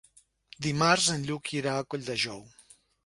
Dimarts en Lluc irà a Colldejou.